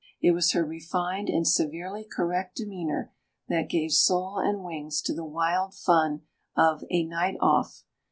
It was her refined and severely correct demeanour that gave soul and wings to the wild fun of A Night Off.